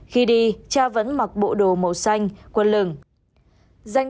khi đi cha vẫn mặc bộ đồ màu xanh quân lừng